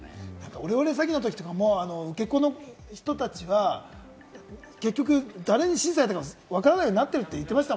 オレオレ詐欺の時とかも受け子の人たちは結局、誰に指示されたかわからないようになってるって言ってました